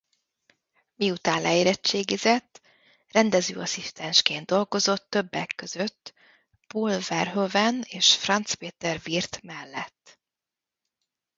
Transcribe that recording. Miután leérettségizett rendezőasszisztensként dolgozott többek között Paul Verhoeven és Franz Peter Wirth mellett.